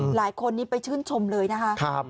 หลายคนนี้ไปชื่นชมเลยนะคะ